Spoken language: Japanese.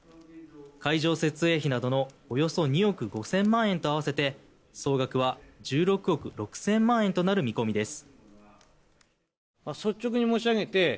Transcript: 会場設営費などのおよそ２億５０００万円と合わせて総額は１６億６０００万円となる見込みです。